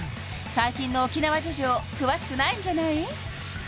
最近の沖縄事情詳しくないんじゃない？